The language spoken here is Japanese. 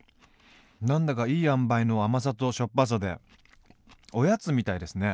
何だかいい塩梅の甘さとしょっぱさでおやつみたいですね。